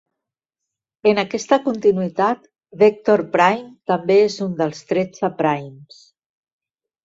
En aquesta continuïtat, Vector Prime també és un dels Tretze Primes.